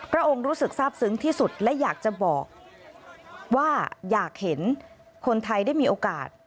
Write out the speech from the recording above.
องค์รู้สึกทราบซึ้งที่สุดและอยากจะบอกว่าอยากเห็นคนไทยได้มีโอกาส